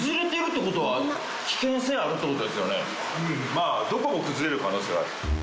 まあどこも崩れる可能性はある。